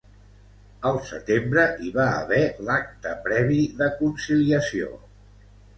El setembre hi va haver l’acte previ de conciliació.